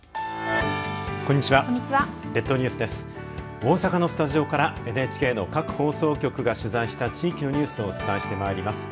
大阪のスタジオからＮＨＫの各放送局が取材した地域のニュースをお伝えしてまいります。